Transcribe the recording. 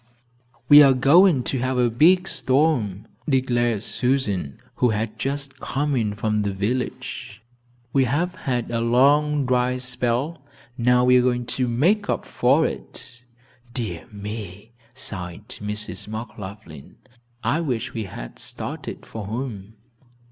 "We are going to have a big storm," declared Susan, who had just come in from the village. "We have had a long dry spell, now we are going to make up for it." "Dear me," sighed Mrs. McLaughlin, "I wish we had started for home."